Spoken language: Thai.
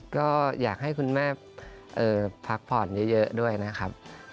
ก็อยากให้คุณแม่พักผ่อนเยอะด้วยนะครับ